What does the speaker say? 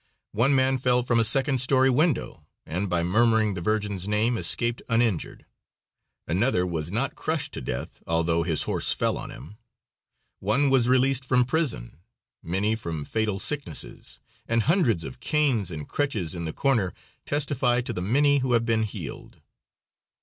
One man fell from a second story window, and by murmuring the Virgin's name escaped uninjured. Another was not crushed to death, although his horse fell on him. One was released from prison, many from fatal sicknesses, and hundreds of canes and crutches in the corner testify to the many who have been healed.